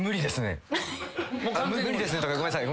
「無理ですね」とかごめんなさい。